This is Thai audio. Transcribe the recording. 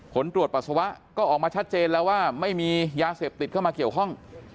ผลตรวจปัสสาวะก็ออกมาชัดเจนแล้วว่าไม่มียาเสพติดเข้ามาเกี่ยวข้อง